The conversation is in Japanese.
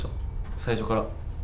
最初から。